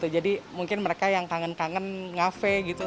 jadi mungkin mereka yang kangen kangen kafe